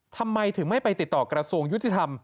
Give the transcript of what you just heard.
ทำไมถึงไม่ไปติดต่อกระทรวงยุติธรรม